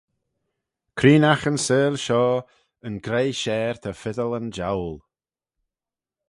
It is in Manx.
Creenaght yn seihll shoh, yn greie share ta fittal yn joul.